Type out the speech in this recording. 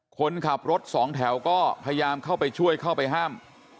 คนขับรถสองแถวก็พยายามเข้าไปช่วยเข้าไปห้าม